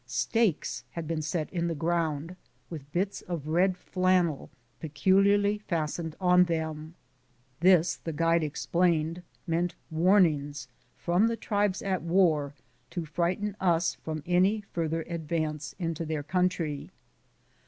Stakes had been set in the ground, with bits of red flannel fastened on them pecul iarly. This, the guide explained, meant warnings from the tribes at war to frighten us from any further ad vance into their country.